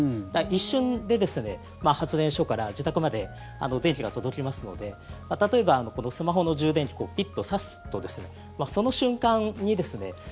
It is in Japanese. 一瞬で発電所から自宅まで電気が届きますので例えばスマホの充電器ピッと挿すと、その瞬間に。